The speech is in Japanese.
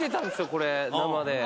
これ生で。